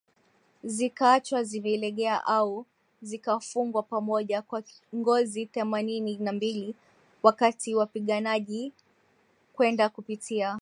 zikaachwa zimelegea au zikafungwa pamoja kwa ngozi Themanini na mbili Wakati wapiganaji kwenda kupitia